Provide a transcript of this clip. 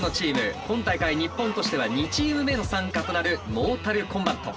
今大会日本としては２チーム目の参加となるモータルコンバット。